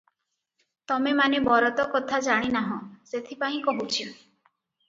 ତମେମାନେ ବରତ କଥା ଜାଣି ନାହଁ; ସେଥିପାଇଁ କହୁଛି ।